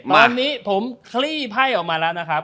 วันนี้ผมคลี่ไพ่ออกมาแล้วนะครับ